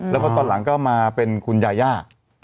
แล้วก็ตอนหลังก็มาเป็นคุณยาย่า